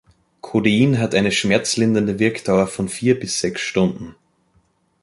Codein hat eine schmerzlindernde Wirkdauer von vier bis sechs Stunden.